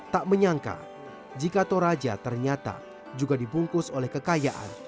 tak menyangka jika toraja ternyata juga dibungkus oleh kekayaan